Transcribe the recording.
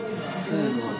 「すごい！」